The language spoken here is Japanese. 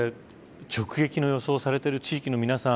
直撃の予想されている地域の皆さん